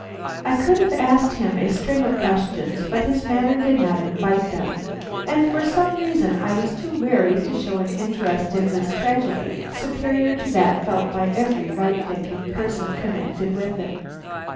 I could have asked him a string of questions, but his manner did not invite them, and for some reason I was too wary to show an interest in this tragedy superior to that felt by every right thinking person connected with it.